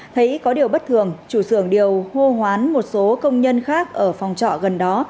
thấy có điều bất thường chủ xưởng đều hô hoán một số công nhân khác ở phòng trọ gần đó